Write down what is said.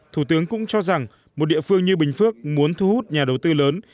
thủ tướng cũng cho rằng một địa phương như bình phước muốn thu hút nhà đầu tư lớn